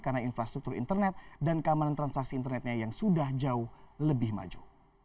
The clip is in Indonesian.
karena infrastruktur internet dan keamanan transaksi internetnya yang sudah jauh lebih maju